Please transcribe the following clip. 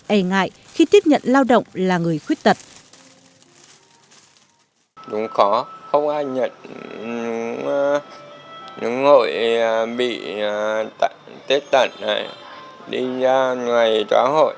e ngại khi tiếp nhận lao động là người khuyết tật